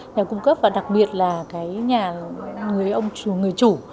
nhà cung cấp và đặc biệt là nhà người chủ